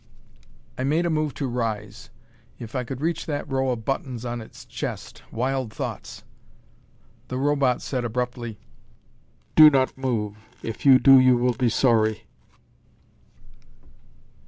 I made a move to rise. If I could reach that row of buttons on its chest! Wild thoughts! The Robot said abruptly, "Do not move! If you do, you will be sorry."